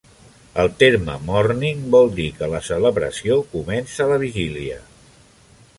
El terme "morning" vol dir que la celebració comença la vigília.